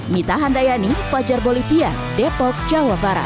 mita handayani fajar bolivia depok jawa barat